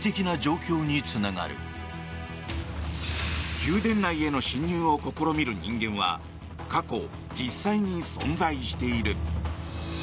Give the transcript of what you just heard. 宮殿内への侵入を試みる人間は過去、実際に存在している。